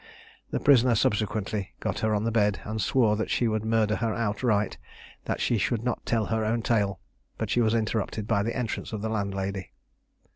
The prisoner subsequently got her on the bed, and swore that she would murder her outright, that she should not tell her own tale; but she was interrupted by the entrance of the landlady.